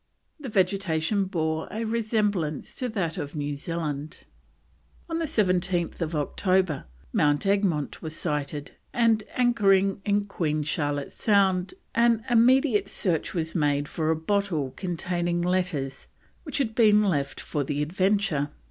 The vegetation bore a resemblance to that of New Zealand. On 17th October Mount Egmont was sighted, and anchoring in Queen Charlotte's Sound an immediate search was made for a bottle containing letters which had been left for the Adventure.